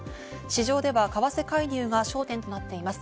市場では為替介入が焦点となっています。